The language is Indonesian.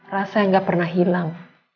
rasa yang gak pernah hilang